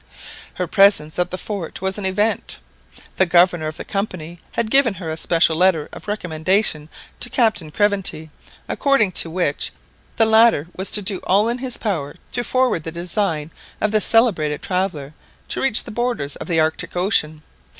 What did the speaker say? Her presence at the fort was an event. The governor of the Company had given her a special letter of recommendation to Captain Craventy, according to which the latter was to do all in his power to forward the design of the celebrated traveller to reach the borders of the Arctic Ocean.